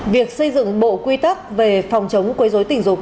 việc xây dựng bộ quý tắc về phòng chống quấy rối tình dục